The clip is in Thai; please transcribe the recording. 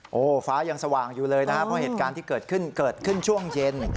โอ้โหฟ้ายังสว่างอยู่เลยนะครับเพราะเหตุการณ์ที่เกิดขึ้นเกิดขึ้นช่วงเย็น